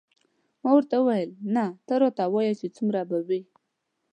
ما ورته وویل نه راته ووایه چې څومره به وي.